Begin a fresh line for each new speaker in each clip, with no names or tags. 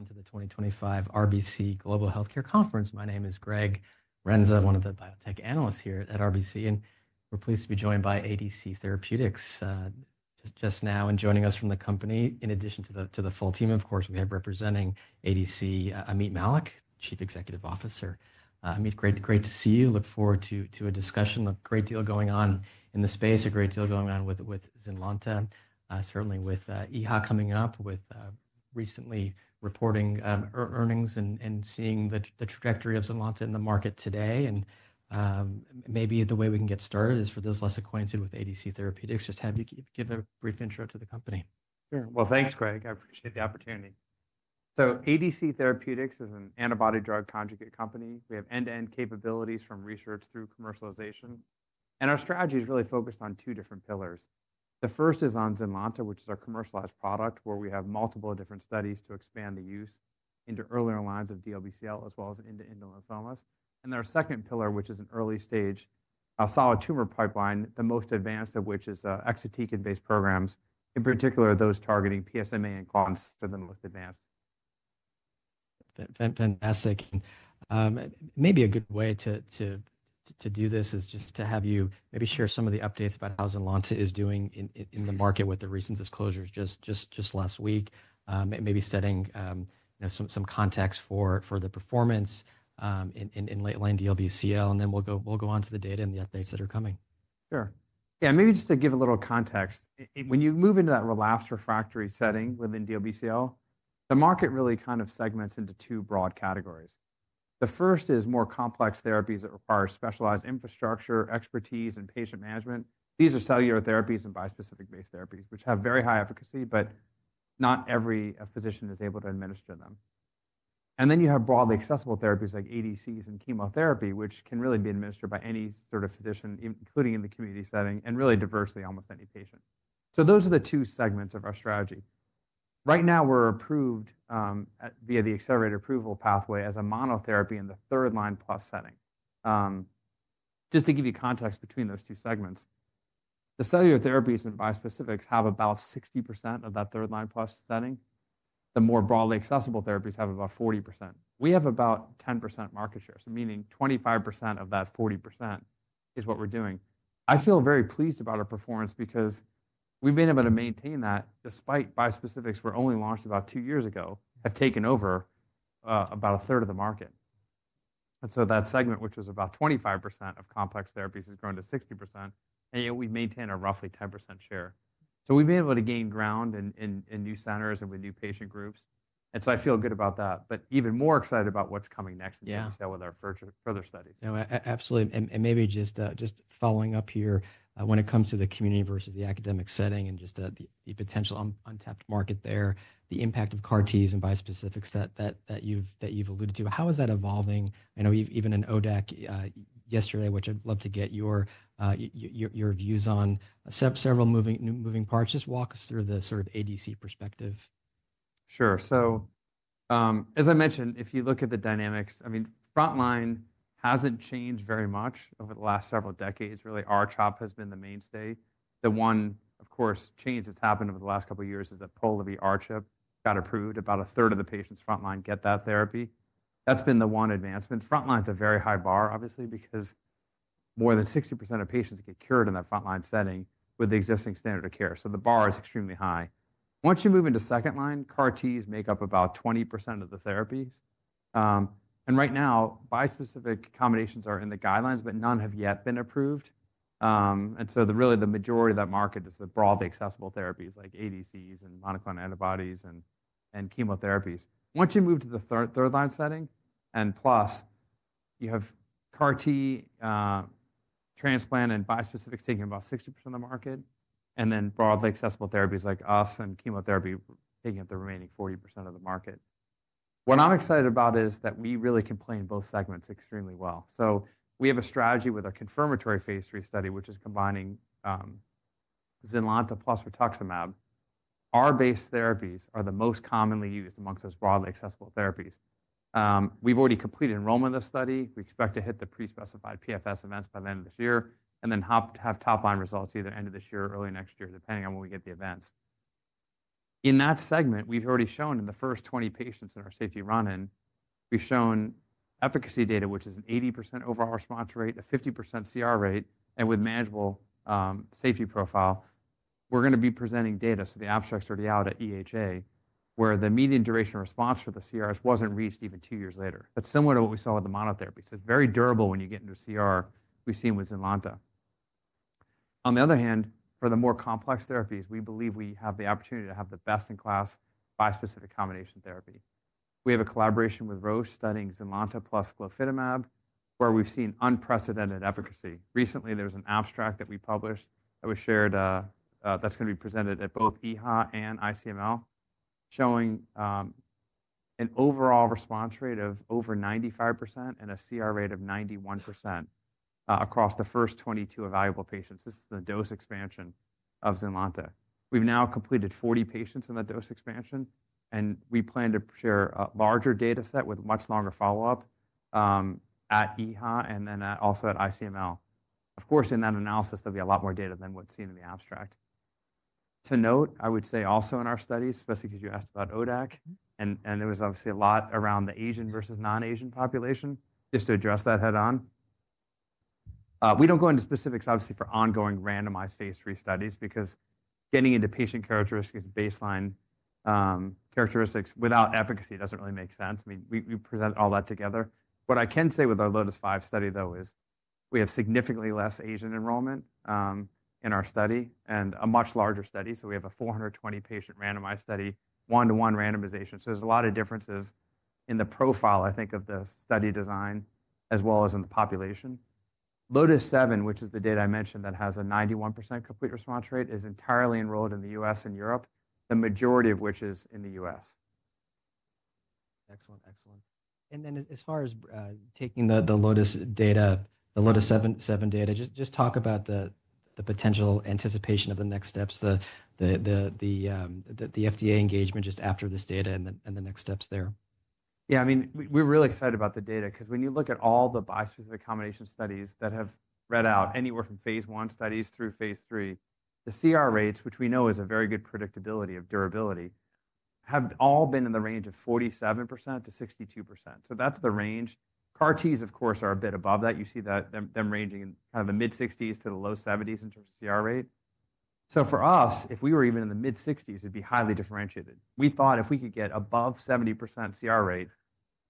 Everyone to the 2025 RBC Global Healthcare Conference. My name is Greg Renza, one of the biotech analysts here at RBC, and we're pleased to be joined by ADC Therapeutics just now. Joining us from the company, in addition to the full team, of course, we have representing ADC, Ameet Mallik, Chief Executive Officer. Ameet, great to see you. Look forward to a discussion. A great deal going on in the space, a great deal going on with ZYNLONTA, certainly with EHA coming up, with recently reporting earnings and seeing the trajectory of ZYNLONTA in the market today. Maybe the way we can get started is for those less acquainted with ADC Therapeutics, just have you give a brief intro to the company.
Sure. Thank you, Greg. I appreciate the opportunity. ADC Therapeutics is an antibody-drug conjugate company. We have end-to-end capabilities from research through commercialization. Our strategy is really focused on two different pillars. The first is on ZYNLONTA, which is our commercialized product, where we have multiple different studies to expand the use into earlier lines of DLBCL, as well as into indolent lymphomas. Our second pillar, which is an early-stage solid tumor pipeline, the most advanced of which is exatecan-based programs, in particular those targeting PSMA and CLDN6, are the most advanced.
Fantastic. Maybe a good way to do this is just to have you maybe share some of the updates about how ZYNLONTA is doing in the market with the recent disclosures just last week, and maybe setting some context for the performance in late-line DLBCL. Then we'll go on to the data and the updates that are coming.
Sure. Yeah, maybe just to give a little context, when you move into that relapsed/refractory setting within DLBCL, the market really kind of segments into two broad categories. The first is more complex therapies that require specialized infrastructure, expertise, and patient management. These are cellular therapies and bispecific-based therapies, which have very high efficacy, but not every physician is able to administer them. Then you have broadly accessible therapies like ADCs and chemotherapy, which can really be administered by any sort of physician, including in the community setting, and really diversely almost any patient. Those are the two segments of our strategy. Right now, we're approved via the accelerated approval pathway as a monotherapy in the third-line plus setting. Just to give you context between those two segments, the cellular therapies and bispecifics have about 60% of that third-line plus setting. The more broadly accessible therapies have about 40%. We have about 10% market share, so meaning 25% of that 40% is what we're doing. I feel very pleased about our performance because we've been able to maintain that despite bispecifics, which were only launched about two years ago, have taken over about a third of the market. That segment, which was about 25% of complex therapies, has grown to 60%. Yet we maintain a roughly 10% share. We've been able to gain ground in new centers and with new patient groups. I feel good about that, but even more excited about what's coming next in DLBCL with our further studies.
Absolutely. Maybe just following up here, when it comes to the community versus the academic setting and just the potential untapped market there, the impact of CAR-Ts and bispecifics that you've alluded to, how is that evolving? I know even an ODAC yesterday, which I'd love to get your views on, several moving parts. Just walk us through the sort of ADC perspective.
Sure. So as I mentioned, if you look at the dynamics, I mean, frontline hasn't changed very much over the last several decades. Really, R-CHOP has been the mainstay. The one, of course, change that's happened over the last couple of years is that Pola-R-CHP got approved. About a third of the patients frontline get that therapy. That's been the one advancement. Frontline's a very high bar, obviously, because more than 60% of patients get cured in that frontline setting with the existing standard of care. The bar is extremely high. Once you move into second-line, CAR-Ts make up about 20% of the therapies. Right now, bispecific combinations are in the guidelines, but none have yet been approved. Really the majority of that market is the broadly accessible therapies like ADCs and monoclonal antibodies and chemotherapies. Once you move to the third-line setting and plus, you have CAR-T, transplant, and bispecifics taking about 60% of the market, and then broadly accessible therapies like us and chemotherapy taking up the remaining 40% of the market. What I'm excited about is that we really can play in both segments extremely well. We have a strategy with our confirmatory phase 3 study, which is combining ZYNLONTA plus rituximab. Our base therapies are the most commonly used amongst those broadly accessible therapies. We've already completed enrollment in this study. We expect to hit the prespecified PFS events by the end of this year and then have top-line results either end of this year or early next year, depending on when we get the events. In that segment, we've already shown in the first 20 patients in our safety run-in, we've shown efficacy data, which is an 80% overall response rate, a 50% CR rate, and with manageable safety profile. We're going to be presenting data so the abstract's already out at EHA, where the median duration of response for the CRs wasn't reached even two years later. That's similar to what we saw with the monotherapy. It is very durable when you get into CR. We've seen with ZYNLONTA. On the other hand, for the more complex therapies, we believe we have the opportunity to have the best-in-class bispecific combination therapy. We have a collaboration with Roche studying ZYNLONTA plus glofitamab, where we've seen unprecedented efficacy. Recently, there was an abstract that we published that was shared that's going to be presented at both EHA and ICML, showing an overall response rate of over 95% and a CR rate of 91% across the first 22 evaluable patients. This is the dose expansion of ZYNLONTA. We've now completed 40 patients in that dose expansion, and we plan to share a larger data set with much longer follow-up at EHA and then also at ICML. Of course, in that analysis, there'll be a lot more data than what's seen in the abstract. To note, I would say also in our studies, especially because you asked about ODAC, and there was obviously a lot around the Asian versus non-Asian population, just to address that head-on. We don't go into specifics, obviously, for ongoing randomized phase 3 studies because getting into patient characteristics and baseline characteristics without efficacy doesn't really make sense. I mean, we present all that together. What I can say with our LOTIS-5 study, though, is we have significantly less Asian enrollment in our study and a much larger study. So we have a 420-patient randomized study, one-to-one randomization. There are a lot of differences in the profile, I think, of the study design as well as in the population. LOTIS-7, which is the data I mentioned that has a 91% complete response rate, is entirely enrolled in the U.S. and Europe, the majority of which is in the U.S. Excellent, excellent.
As far as taking the LOTIS-7 data, just talk about the potential anticipation of the next steps, the FDA engagement just after this data and the next steps there.
Yeah, I mean, we're really excited about the data because when you look at all the bispecific combination studies that have read out anywhere from phase one studies through phase three, the CR rates, which we know is a very good predictability of durability, have all been in the range of 47%-62%. That's the range. CAR-Ts, of course, are a bit above that. You see them ranging in kind of the mid-60s to the low 70s in terms of CR rate. For us, if we were even in the mid-60s, it'd be highly differentiated. We thought if we could get above 70% CR rate,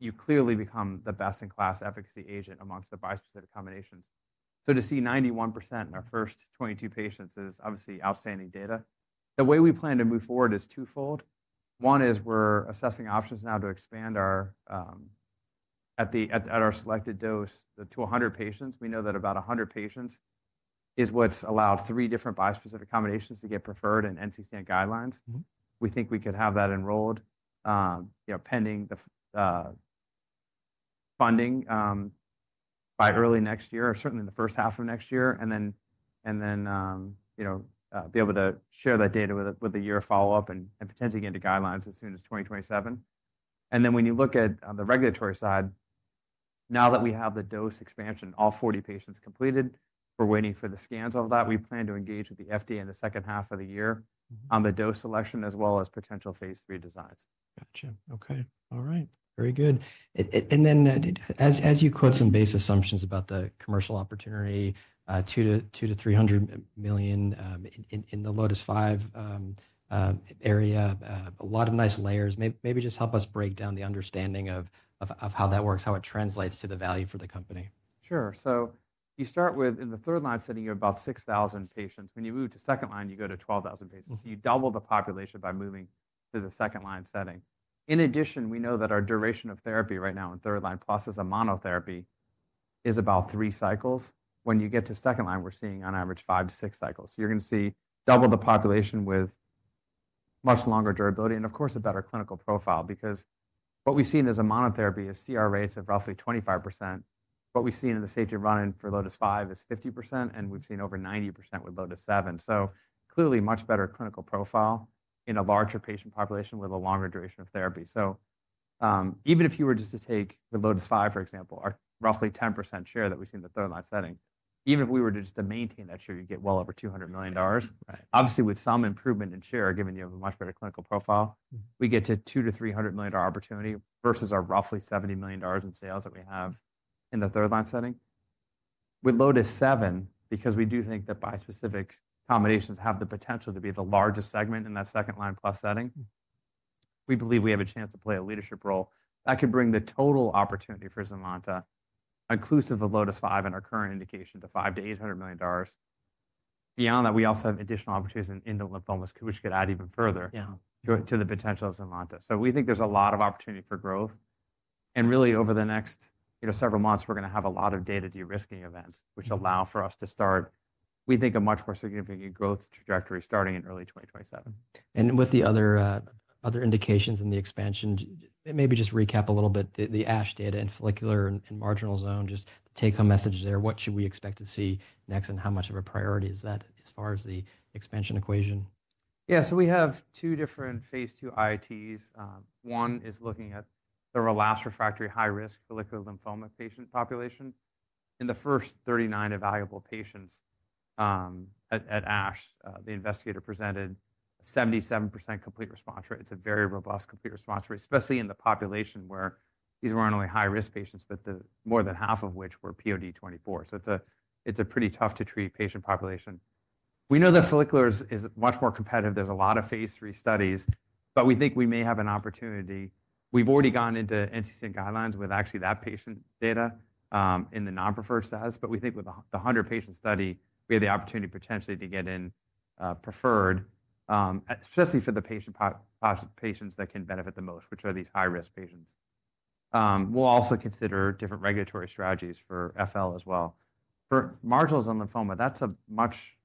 you clearly become the best-in-class efficacy agent amongst the bispecific combinations. To see 91% in our first 22 patients is obviously outstanding data. The way we plan to move forward is twofold. One is we're assessing options now to expand at our selected dose to 100 patients. We know that about 100 patients is what's allowed three different bispecific combinations to get preferred in NCCN guidelines. We think we could have that enrolled pending the funding by early next year, or certainly in the first half of next year, and then be able to share that data with a year of follow-up and potentially get into guidelines as soon as 2027. When you look at the regulatory side, now that we have the dose expansion, all 40 patients completed, we're waiting for the scans of that. We plan to engage with the FDA in the second half of the year on the dose selection, as well as potential phase three designs.
Gotcha. Okay. All right. Very good. And then as you quote some base assumptions about the commercial opportunity, $200 million-$300 million in the LOTIS-5 area, a lot of nice layers. Maybe just help us break down the understanding of how that works, how it translates to the value for the company.
Sure. You start with, in the third-line setting, you have about 6,000 patients. When you move to second-line, you go to 12,000 patients. You double the population by moving to the second-line setting. In addition, we know that our duration of therapy right now in third-line plus as a monotherapy is about three cycles. When you get to second-line, we're seeing on average five to six cycles. You're going to see double the population with much longer durability and, of course, a better clinical profile because what we've seen as a monotherapy is CR rates of roughly 25%. What we've seen in the safety run-in for LOTIS-5 is 50%, and we've seen over 90% with LOTIS-7. Clearly, much better clinical profile in a larger patient population with a longer duration of therapy. Even if you were just to take the LOTIS-5, for example, our roughly 10% share that we've seen in the third-line setting, even if we were just to maintain that share, you'd get well over $200 million. Obviously, with some improvement in share, given you have a much better clinical profile, we get to $200-$300 million opportunity versus our roughly $70 million in sales that we have in the third-line setting. With LOTIS-7, because we do think that bispecific combinations have the potential to be the largest segment in that second-line plus setting, we believe we have a chance to play a leadership role that could bring the total opportunity for ZYNLONTA, inclusive of LOTIS-5 and our current indication, to $500-$800 million. Beyond that, we also have additional opportunities in indolent lymphomas, which could add even further to the potential of ZYNLONTA. We think there's a lot of opportunity for growth. Really, over the next several months, we're going to have a lot of data de-risking events, which allow for us to start, we think, a much more significant growth trajectory starting in early 2027.
With the other indications in the expansion, maybe just recap a little bit the ASH data and follicular and marginal zone, just the take-home message there, what should we expect to see next and how much of a priority is that as far as the expansion equation?
Yeah, so we have two different phase two IATs. One is looking at the relapsed/refractory high-risk follicular lymphoma patient population. In the first 39 evaluable patients at ASH, the investigator presented a 77% complete response rate. It's a very robust complete response rate, especially in the population where these weren't only high-risk patients, but more than half of which were POD24. It's a pretty tough-to-treat patient population. We know that follicular is much more competitive. There's a lot of phase three studies, but we think we may have an opportunity. We've already gone into NCCN guidelines with actually that patient data in the non-preferred status, but we think with the 100-patient study, we have the opportunity potentially to get in preferred, especially for the patients that can benefit the most, which are these high-risk patients. We'll also consider different regulatory strategies for FL as well. For marginal zone lymphoma, that's a much,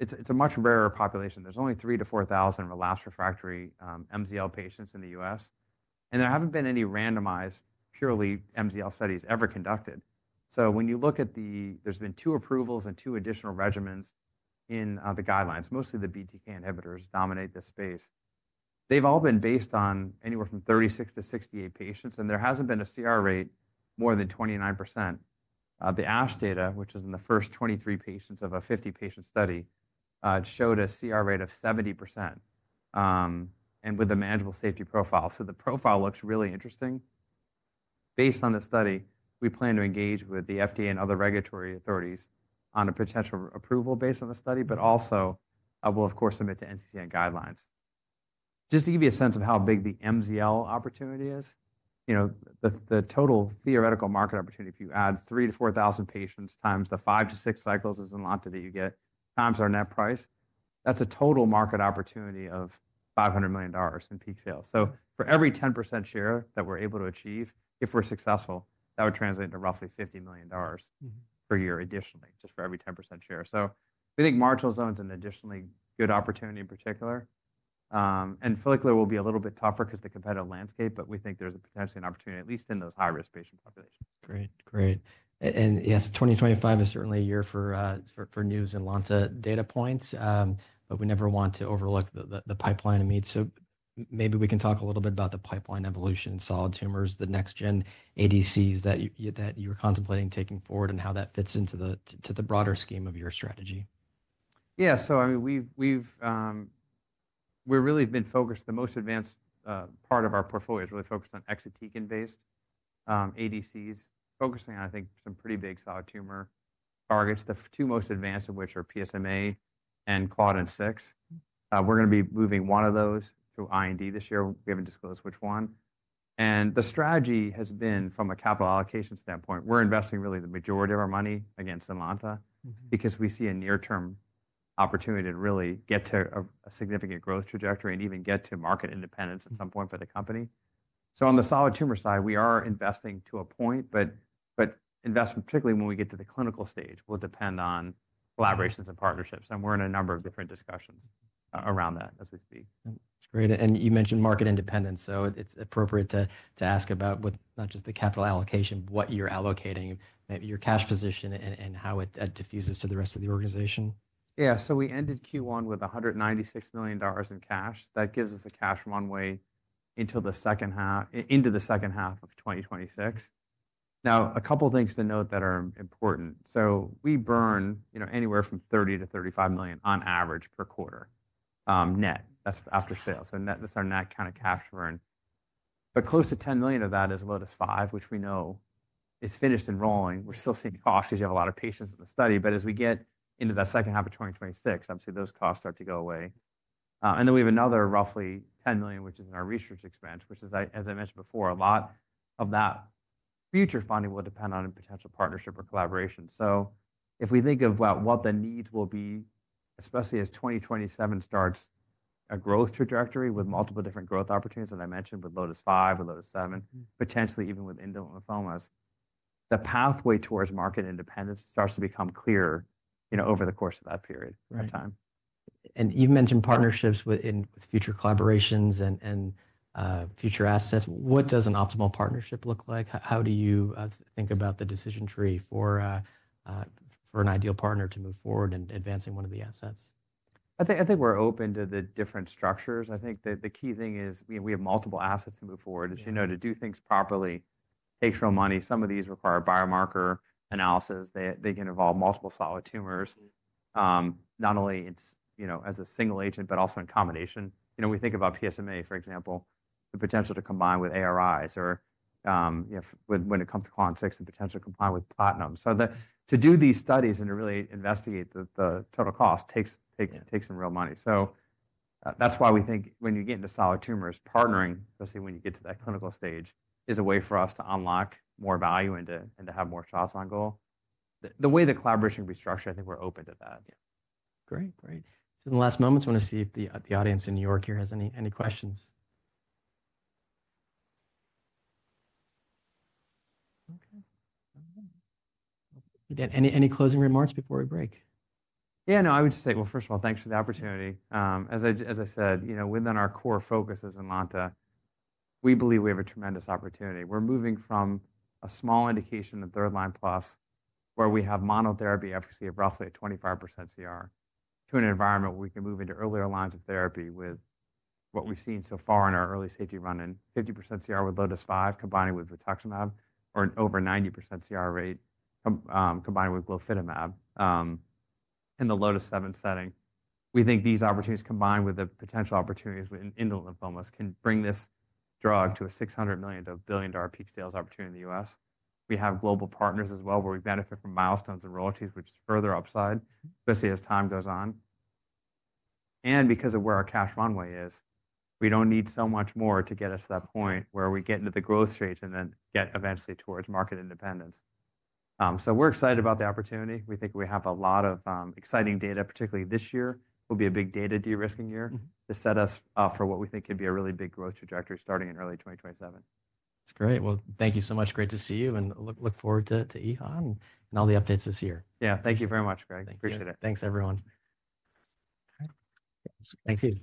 it's a much rarer population. There's only 3,000-4,000 relapsed/refractory MZL patients in the U.S.. And there haven't been any randomized purely MZL studies ever conducted. When you look at the, there's been two approvals and two additional regimens in the guidelines. Mostly the BTK inhibitors dominate this space. They've all been based on anywhere from 36-68 patients, and there hasn't been a CR rate more than 29%. The ASH data, which is in the first 23 patients of a 50-patient study, showed a CR rate of 70% and with a manageable safety profile. The profile looks really interesting. Based on the study, we plan to engage with the FDA and other regulatory authorities on a potential approval based on the study, but also will, of course, submit to NCCN guidelines. Just to give you a sense of how big the MZL opportunity is, the total theoretical market opportunity, if you add 3,000-4,000 patients times the five to six cycles of ZYNLONTA that you get times our net price, that's a total market opportunity of $500 million in peak sales. For every 10% share that we're able to achieve, if we're successful, that would translate into roughly $50 million per year additionally, just for every 10% share. We think marginal zone is an additionally good opportunity in particular. Follicular will be a little bit tougher because of the competitive landscape, but we think there's potentially an opportunity, at least in those high-risk patient populations.
Great, great. Yes, 2025 is certainly a year for new ZYNLONTA data points, but we never want to overlook the pipeline, Ameet. Maybe we can talk a little bit about the pipeline evolution in solid tumors, the next-gen ADCs that you're contemplating taking forward, and how that fits into the broader scheme of your strategy.
Yeah, so I mean, we've really been focused, the most advanced part of our portfolio is really focused on exatecan-based ADCs, focusing on, I think, some pretty big solid tumor targets, the two most advanced of which are PSMA and CLDN6. We're going to be moving one of those through IND this year. We haven't disclosed which one. The strategy has been, from a capital allocation standpoint, we're investing really the majority of our money against ZYNLONTA because we see a near-term opportunity to really get to a significant growth trajectory and even get to market independence at some point for the company. On the solid tumor side, we are investing to a point, but investment, particularly when we get to the clinical stage, will depend on collaborations and partnerships. We're in a number of different discussions around that as we speak.
That's great. You mentioned market independence, so it's appropriate to ask about not just the capital allocation, what you're allocating, your cash position, and how it diffuses to the rest of the organization.
Yeah, so we ended Q1 with $196 million in cash. That gives us a cash runway into the second half of 2026. Now, a couple of things to note that are important. We burn anywhere from $30 million-$35 million on average per quarter net. That's after sale. That's our net kind of cash burn. Close to $10 million of that is LOTIS-5, which we know is finished enrolling. We're still seeing costs because you have a lot of patients in the study. As we get into that second half of 2026, obviously, those costs start to go away. We have another roughly $10 million, which is in our research expense, which is, as I mentioned before, a lot of that future funding will depend on a potential partnership or collaboration. If we think of what the needs will be, especially as 2027 starts a growth trajectory with multiple different growth opportunities, as I mentioned, with LOTIS-5 and LOTIS-7, potentially even with indolent lymphomas, the pathway towards market independence starts to become clearer over the course of that period of time.
You've mentioned partnerships with future collaborations and future assets. What does an optimal partnership look like? How do you think about the decision tree for an ideal partner to move forward in advancing one of the assets?
I think we're open to the different structures. I think the key thing is we have multiple assets to move forward. As you know, to do things properly takes real money. Some of these require biomarker analysis. They can involve multiple solid tumors, not only as a single agent, but also in combination. We think about PSMA, for example, the potential to combine with ARIs or when it comes to CLDN6, the potential to combine with platinum. To do these studies and to really investigate the total cost takes some real money. That's why we think when you get into solid tumors, partnering, especially when you get to that clinical stage, is a way for us to unlock more value and to have more shots on goal. The way the collaboration can be structured, I think we're open to that.
Great, great. Just in the last moments, I want to see if the audience in New York here has any questions. Okay. Any closing remarks before we break?
Yeah, no, I would just say, first of all, thanks for the opportunity. As I said, within our core focus at ZYNLONTA, we believe we have a tremendous opportunity. We're moving from a small indication in third-line plus where we have monotherapy efficacy of roughly a 25% CR to an environment where we can move into earlier lines of therapy with what we've seen so far in our early safety run-in, 50% CR with LOTIS-5 combined with rituximab or an over 90% CR rate combined with glofitamab in the LOTIS-7 setting. We think these opportunities combined with the potential opportunities with indolent lymphomas can bring this drug to a $600 million-$1 billion peak sales opportunity in the U.S. We have global partners as well where we benefit from milestones and royalties, which is further upside, especially as time goes on. Because of where our cash runway is, we do not need so much more to get us to that point where we get into the growth stage and then get eventually towards market independence. We are excited about the opportunity. We think we have a lot of exciting data, particularly this year. It will be a big data de-risking year to set us up for what we think could be a really big growth trajectory starting in early 2027.
That's great. Thank you so much. Great to see you and look forward to EHA and all the updates this year.
Yeah, thank you very much, Greg. Appreciate it.
Thanks, everyone.
Thanks.